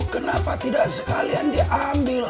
kenapa tidak sekalian diambil